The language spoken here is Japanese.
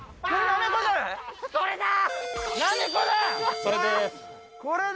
それだ！